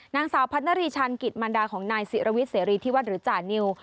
นางสาวพัฒนารีชันกิจมันดาของนายศิรวิทยเสรีที่วัดหรือจานิว